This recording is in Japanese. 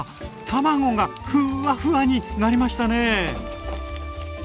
卵がふわふわになりましたね。